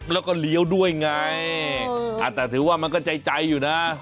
แล้วก็เลี้ยวด้วยไงแต่ถือว่ามันก็ใจอยู่นะ